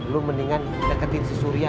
lu mendingan deketin si surya